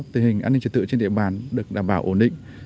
tình hình an ninh trật tự trên địa bàn được đảm bảo ổn định